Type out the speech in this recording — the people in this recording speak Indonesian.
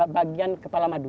bagian kepala madu